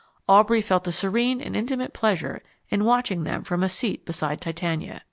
Aubrey felt a serene and intimate pleasure in watching them from a seat beside Titania.